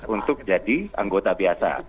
untuk jadi anggota biasa